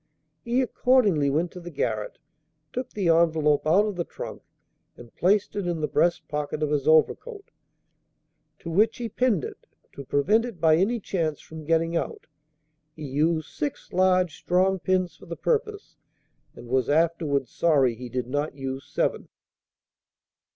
He accordingly went to the garret, took the envelope out of the trunk, and placed it in the breast pocket of his overcoat, to which he pinned it, to prevent it by any chance from getting out. He used six large, strong pins for the purpose, and was afterwards sorry he did not use seven.